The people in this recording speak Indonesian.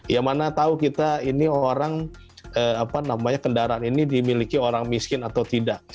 ya mana tahu kita ini orang apa namanya kendaraan ini dimiliki orang miskin atau tidak